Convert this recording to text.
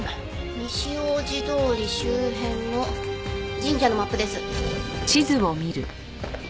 西大路通り周辺の神社のマップです。